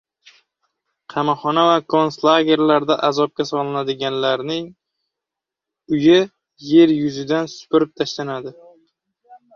qamoqxona va kontslagerlarda azobga solinadilar, ularning uyi yer yuzidan supurib tashlanadi.